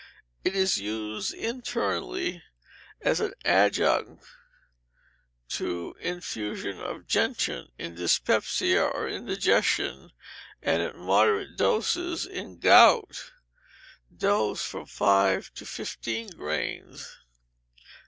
It is used internally as an adjunct to infusion of gentian in dyspepsia or indigestion, and in moderate doses in gout. Dose, from five to fifteen grains.